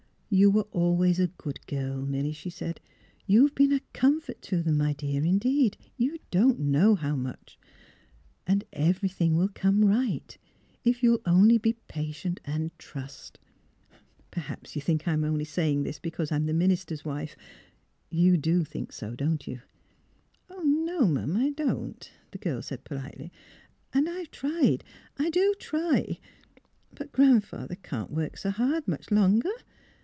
" You were always a good girl, Milly," she said. " You've been a comfort to them, my dear, indeed, you don't know how much. And — every thing will come right, if you '11 only be patient and — trust. Perhaps you think I'm saying this just because I'm the minister's wife. — You do think so; don't you? "" No'm, I don't," the girl said, politely. *' An' I've tried — I do try. But Gran 'father can't work so hard much longer.